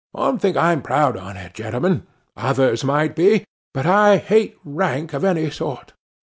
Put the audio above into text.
Don't think I'm proud on it, gentlemen; others might be; but I hate rank of any sort.